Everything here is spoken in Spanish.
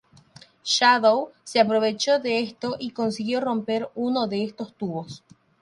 Shadow se aprovechó de esto y consiguió romper uno de estos tubos.